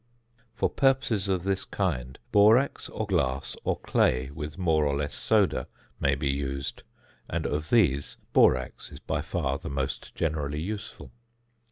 For purposes of this kind borax, or glass, or clay with more or less soda may be used, and of these borax is by far the most generally useful.